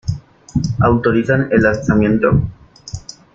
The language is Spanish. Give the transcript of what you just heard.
¿ Autorizan el lanzamiento?